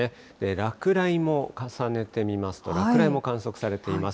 落雷も重ねてみますと、落雷も観測されています。